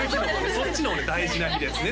そっちの方ね大事な日ですね